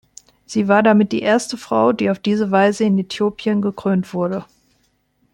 Sie war damit die erste Frau, die auf diese Weise in Äthiopien gekrönt wurde.